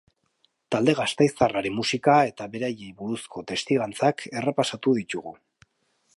Talde gasteiztarraren musika eta beraiei buruzko testigantzak errepasatu ditugu.